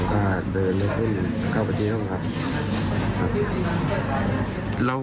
แล้วก็ผมก็สลบนะครับแล้วฟ้าผ่าดูจัดตัวของฟ้าเดินไปขึ้นเข้าประติธรรมครับครับ